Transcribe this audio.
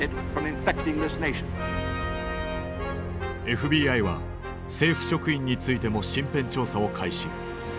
ＦＢＩは政府職員についても身辺調査を開始。